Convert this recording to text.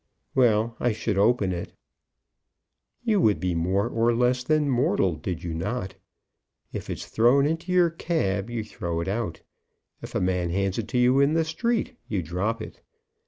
"Well, I should open it." "You would be more or less than mortal did you not? If it's thrown into your cab, you throw it out. If a man hands it to you in the street, you drop it.